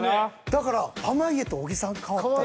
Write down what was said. だから濱家と小木さん替わったら。